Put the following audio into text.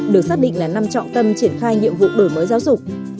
được xác định là năm trọng tâm triển khai nhiệm vụ đổi mới giáo dục